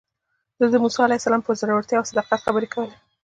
ده د موسی علیه السلام پر زړورتیا او صداقت خبرې کولې.